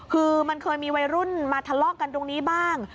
คือมันเคยมีวัยรุ่นมาทะเลาะกันตรงนี้บ้าง